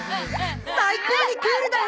最高にクールだよ！